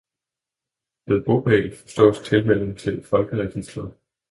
Ved bopæl forstås tilmelding til Folkeregisteret